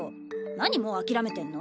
何もう諦めてんの。